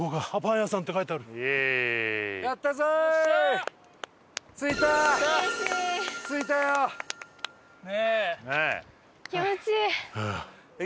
谷：気持ちいい。